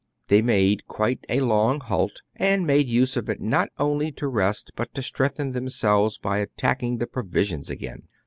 They made quite a long halt, and made use of it not only to take rest, but to strengthen them selves by attacking the provisions again.